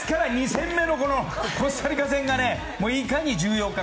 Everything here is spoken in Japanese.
２戦目のコスタリカ戦がいかに重要か